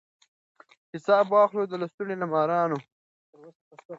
حساب واخلو د لستوڼي له مارانو